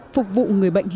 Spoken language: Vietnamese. phục vụ người bệnh